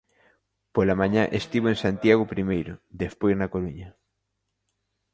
Pola mañá estivo en Santiago primeiro, despois na Coruña.